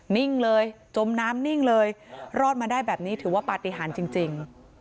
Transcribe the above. นิ่งเลยจมน้ำนิ่งเลยรอดมาได้แบบนี้ถือว่าปฏิหารจริง